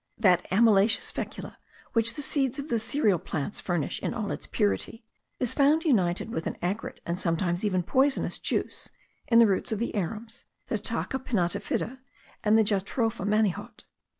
That amylaceous fecula which the seeds of the cereal plants furnish in all its purity, is found united with an acrid and sometimes even poisonous juice, in the roots of the arums, the Tacca pinnatifida, and the Jatropha manihot.